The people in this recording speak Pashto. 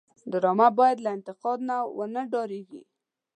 ډرامه باید له انتقاد ونه وډاريږي